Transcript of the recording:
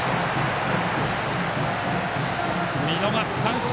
見逃し三振。